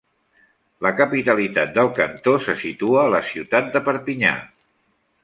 La capitalitat del cantó se situa a la ciutat de Perpinyà.